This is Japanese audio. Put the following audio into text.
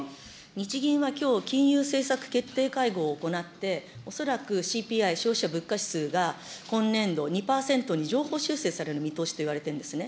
日銀はきょう、金融政策決定会合を行って、恐らくＣＰＩ・消費者物価指数が今年度２％に上方修正される見通しといわれてるんですね。